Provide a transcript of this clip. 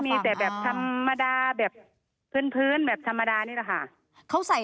ก็มีแต่แบบธรรมดาแบบพื้นแบบธรรมดานี่แหละค่ะ